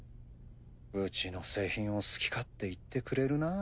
うちの製品を好き勝手言ってくれるなぁ。